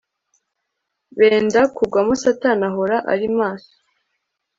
benda kugwamo Satani ahora ari maso